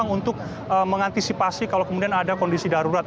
untuk mengantisipasi kalau kemudian ada kondisi darurat